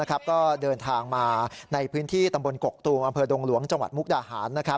ก็เดินทางมาในพื้นที่ตำบลกกตูบดงหลวงจมุกดาหาร